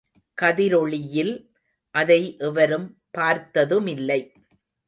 கதிரொளியில் அதை எவரும் பார்த்ததுமில்லை.